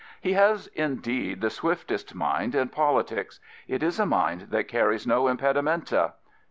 He has, indeed, the swiftest mind in politics. It is a mind that carries no impedimenta.